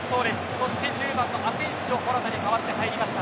そして１０番のアセンシオモラタに代わって入りました。